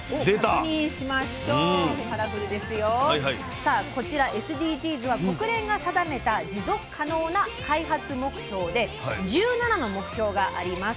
さあこちらＳＤＧｓは国連が定めた持続可能な開発目標で１７の目標があります。